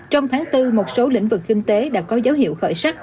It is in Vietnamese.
trong tháng bốn một số lĩnh vực kinh tế đã có dấu hiệu khởi sắc